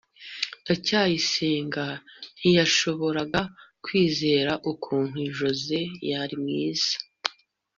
ndacyayisenga ntiyashoboraga kwizera ukuntu joze yari mwiza